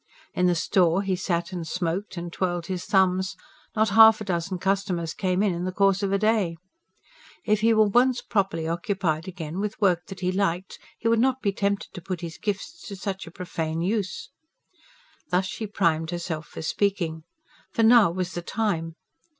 In the store he sat and smoked and twirled his thumbs not half a dozen customers came in, in the course of the day. If he were once properly occupied again, with work that he liked, he would not be tempted to put his gifts to such a profane use. Thus she primed herself for speaking. For now was the time.